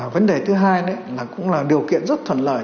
vấn đề thứ hai là cũng là điều kiện rất thuận lợi